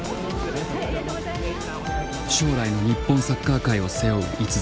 将来の日本サッカー界を背負う逸材。